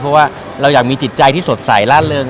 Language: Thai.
เพราะว่าเราอยากมีจิตใจที่สดใสล่าเริง